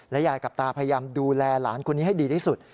ยายกับตาพยายามดูแลหลานคนนี้ให้ดีที่สุด